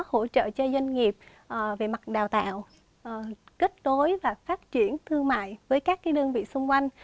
hỗ trợ cho doanh nghiệp về mặt đào tạo kết nối và phát triển thương mại với các đơn vị xung quanh